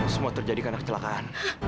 semua terjadi karena kecelakaan